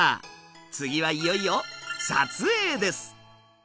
次はいよいよ撮影です。